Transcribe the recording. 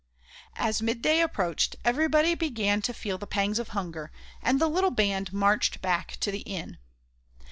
As midday approached everybody began to feel pangs of hunger and the little band marched back to the inn.